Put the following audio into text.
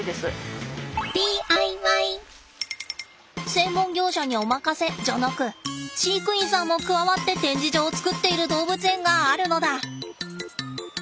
専門業者にお任せじゃなく飼育員さんも加わって展示場を作っている動物園があるのだ！